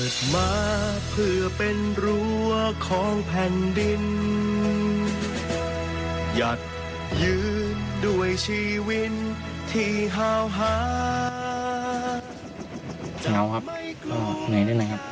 สาวครับไหนด้วยไหมครับ